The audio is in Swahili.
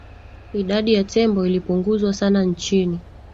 idadi ya tembo ilipunguzwa sana nchini